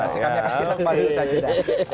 sekarang ya kasih kita ke pak lucu saja dah